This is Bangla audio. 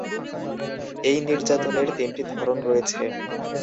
এই নির্যাতনের তিনটি ধরন রয়েছে।